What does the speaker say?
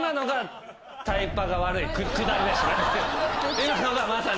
今のがまさに。